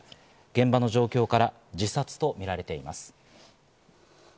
現場の状況から自殺とみられています。